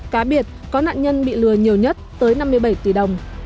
cá biệt có nạn nhân bị lừa nhiều nhất tới năm mươi bảy tỷ đồng